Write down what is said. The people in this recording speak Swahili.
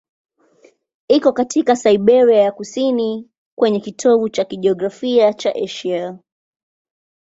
Iko katika Siberia ya kusini, kwenye kitovu cha kijiografia cha Asia.